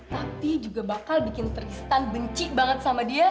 tapi juga bakal bikin tristan benci banget sama dia